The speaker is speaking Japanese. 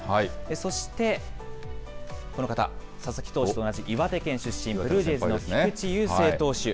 そして、この方、佐々木投手と同じ岩手県出身、ブルージェイズの菊池雄星投手。